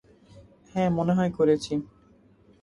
হ্যাঁ, মনে হয় করেছি।